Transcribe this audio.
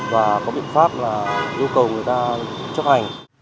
và có biện pháp là yêu cầu người ta